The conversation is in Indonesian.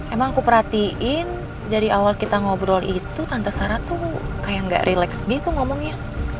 emang aku perhatiin dari awal kita ngobrol itu tante sarah tuh kayak gak relax gitu ngomongnya